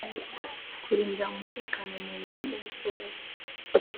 kurinda umutekano mu ndege ntibyoroshye